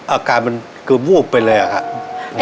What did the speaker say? อาการมันคือวูบไปเลยอะครับ